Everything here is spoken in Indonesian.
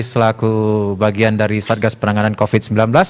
selaku bagian dari satgas penanganan covid sembilan belas